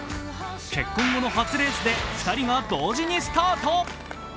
結婚後の初レースで２人が当時にスタート。